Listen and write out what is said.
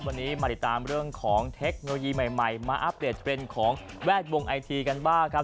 วันนี้มาติดตามเรื่องของเทคโนโลยีใหม่มาอัปเดตเทรนด์ของแวดวงไอทีกันบ้างครับ